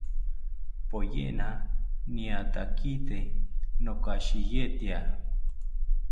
Poyena niatakite nokashitya